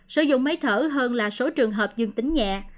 sử dụng máy thở hơn là số trường hợp nhập viện